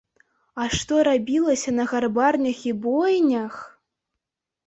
А што рабілася на гарбарнях і бойнях!